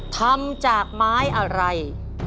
ทำจากไม้อะไร